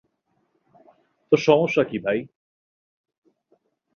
তোর সমস্যা কী, ভাই?